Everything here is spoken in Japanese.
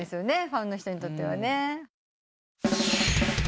ファンの人にとってはね。